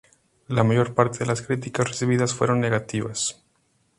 La mayor parte de las críticas recibidas fueron negativas.